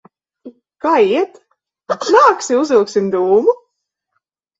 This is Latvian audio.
Kā iet? Atnāksi, uzvilksim dūmu?